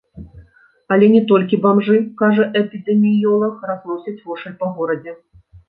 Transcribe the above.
Але не толькі бамжы, кажа эпідэміёлаг, разносяць вошай па горадзе.